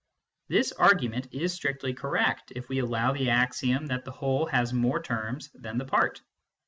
This argument is strictly correct, if we allow the axiom that the whole has more terms than the part.